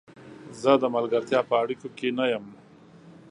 زه د ملګرتیا په اړیکو کې نه یم.